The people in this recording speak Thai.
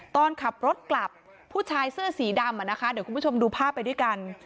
ตอนขับรถกลับผู้ชายเสื้อสีดำเดี๋ยวคุณผู้ชมดูภาพไปด้วยกัน